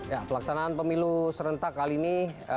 ya pelaksanaan pemilu serentak kali ini